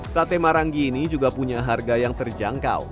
sate marangi ini juga punya harga yang terjangkau